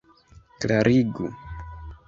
klarigu